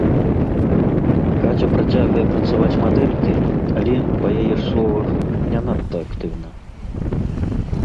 Каця працягвае працаваць мадэлькай, але, па яе ж словах, не надта актыўна.